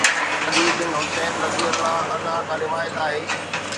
حضرت Ali bin Husain رضي الله عنه کان روايت آهي.